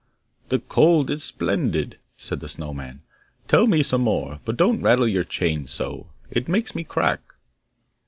'The cold is splendid,' said the Snow man. 'Tell me some more. But don't rattle your chain so, it makes me crack!